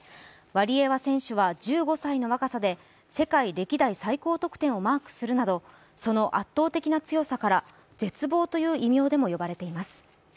ワリエワ選手は１５歳の若さで世界歴代最高得点をマークするなど、その圧倒的な強さから絶望という異名でも呼ばれています。